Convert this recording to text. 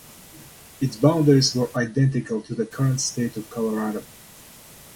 Its boundaries were identical to the current State of Colorado.